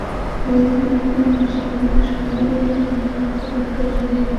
মেলবোর্নে অনুশীলনের সময় রোনালদোর একটা গোল অফসাইডের কারণে বাতিল করে দেন বেনিতেজ।